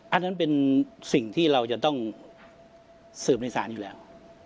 อันนั้นเป็นสิ่งที่เราจะต้องสืบในศาลอยู่แล้ว